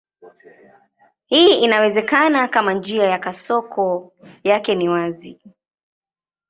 Hii inawezekana kama njia ya kasoko yake ni wazi.